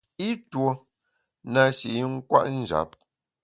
I tuo na shi i nkwet njap.